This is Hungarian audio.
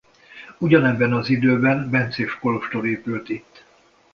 Ugyanebben az időben bencés kolostor épült itt.